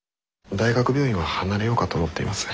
大学病院は離れようかと思っています。